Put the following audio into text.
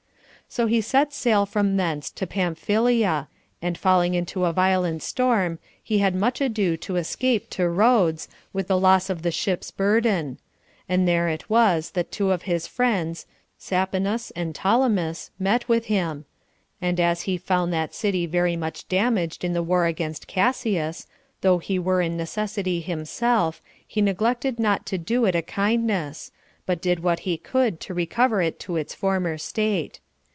3. So he set sail from thence to Pamphylia, and falling into a violent storm, he had much ado to escape to Rhodes, with the loss of the ship's burden; and there it was that two of his friends, Sappinas and Ptolemeus, met with him; and as he found that city very much damaged in the war against Cassius, though he were in necessity himself, he neglected not to do it a kindness, but did what he could to recover it to its former state.